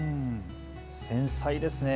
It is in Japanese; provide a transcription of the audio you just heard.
繊細ですね。